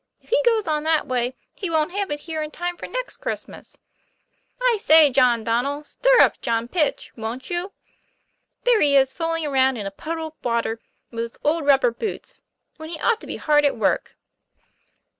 If he goes on that way he wont have it here in time for next Christmas. I say, John Donnel, stir up John Pitch, wont you? There he is fooling around in a puddle of water with his old rubber boots, when he ought to be hard at work."